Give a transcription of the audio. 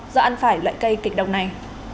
do ăn phải loại cây kịch động này